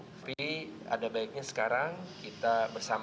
tapi ada baiknya sekarang kita bersama